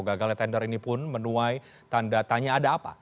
gagalnya tender ini pun menuai tanda tanya ada apa